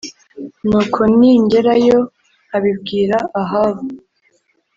Nuko ningerayo nkabibwira Ahabu